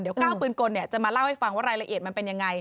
เดี๋ยวก้าวปืนกลจะมาเล่าให้ฟังว่ารายละเอียดมันเป็นยังไง